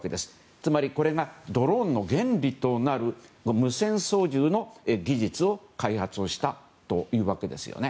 つまりこれがドローンの原理となる無線操縦の技術を開発したというわけです。